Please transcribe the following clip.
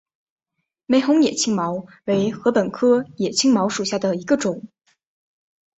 玫红野青茅为禾本科野青茅属下的一个种。